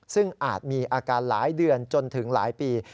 ซึ่งอาจมีอาการหลายเดือนจนถึงหลายปี